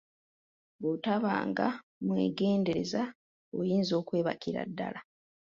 Bw'otabanga mwegendereza oyinza okwebakira ddala.